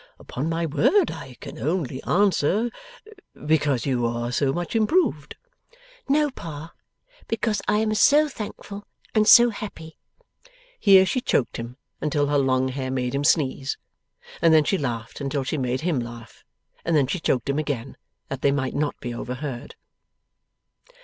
Upon my word, I can only answer, because you are so much improved.' 'No, Pa. Because I am so thankful and so happy!' Here she choked him until her long hair made him sneeze, and then she laughed until she made him laugh, and then she choked him again that they might not be overheard.